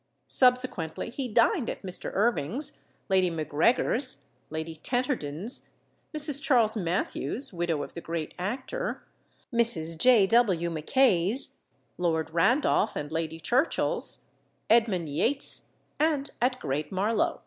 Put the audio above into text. Subsequently he dined at Mr. Irving's, Lady McGregor's, Lady Tenterden's, Mrs. Charles Matthews' (widow of the great actor), Mrs. J. W. Mackay's, Lord Randolph and Lady Churchill's, Edmund Yates', and at Great Marlow.